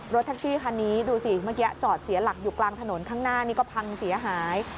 รถแท็กซี่คันนี้ดูสิเมื่อกี้จอดเสียหลักอยู่กลางถนนข้างหน้านี่ก็พังเสียหาย